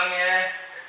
tidak boleh ya mudik